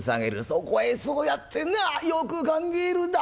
「そこへそうやってなあよく考えるんだ！